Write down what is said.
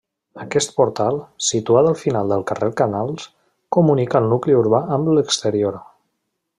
Aquest portal, situat al final del carrer Canals, comunica el nucli urbà amb l'exterior.